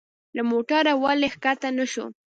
له موټره ولي کښته نه شو؟